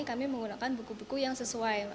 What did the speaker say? kami menggunakan buku buku yang sesuai